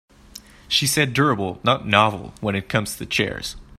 She said durable not novel when it comes to chairs.